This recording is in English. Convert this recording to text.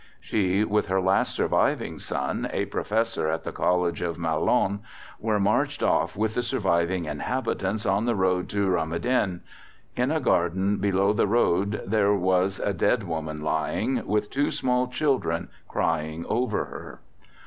She, with her last surviving son, a professor at the College of Malonne, were marched off with the surviving inhabitants on the road to Romedenne. In a garden below the road there was a dead woman lying, with two small children crying over her.